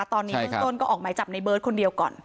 ตอนนี้เบื้องต้นก็ออกหมายจับในเบิร์ตคนเดียวก่อน